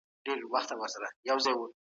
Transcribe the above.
ځیني خلک د ټولنې اصول تر پښو لاندې کوي.